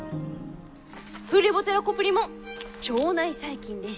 プレボテラ・コプリも腸内細菌です。